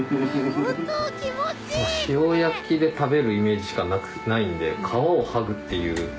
塩焼きで食べるイメージしかないんで皮を剥ぐっていう事をあんまり。